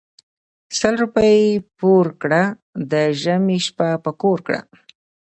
سل روپی پور کړه د ژمي شپه په کور کړه .